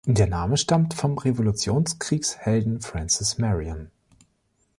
Der Name stammt vom Revolutionskriegshelden Francis Marion.